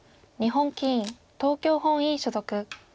日本棋院東京本院所属。